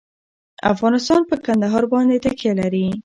افغانستان په کندهار باندې تکیه لري.